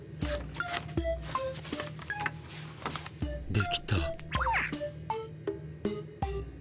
できた。